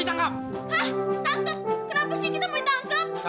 hah tangkap kenapa sih kita mau ditangkap